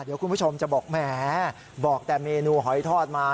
เดี๋ยวคุณผู้ชมจะบอกแหมบอกแต่เมนูหอยทอดมา